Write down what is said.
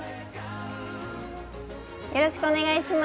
よろしくお願いします。